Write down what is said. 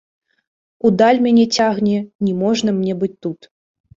У даль мяне цягне, не можна мне быць тут.